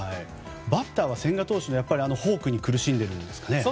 バッターは千賀投手のフォークに苦しんでいるんですかね。